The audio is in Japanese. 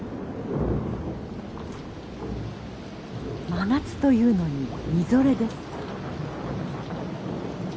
真夏というのにみぞれです。